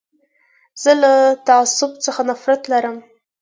زه له تعصب څخه نفرت لرم.